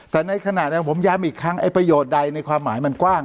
แต่ในขณะนั้นผมย้ำอีกครั้งไอ้ประโยชน์ใดในความหมายมันกว้าง